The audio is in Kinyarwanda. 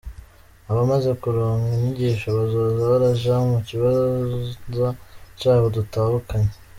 Abamaze kuronka inyigisho bazoza baraja mu kibanza c'abo dutahukanye.